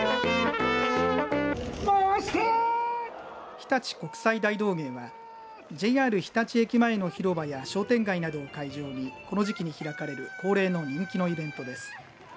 ひたち国際大道芸はＪＲ日立駅前の広場や商店街などを会場にこの時期に開かれる恒例の人気のイベントです。